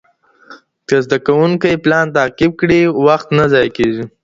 که زده کوونکی پلان تعقیب کړي، وخت نه ضایع کېږي.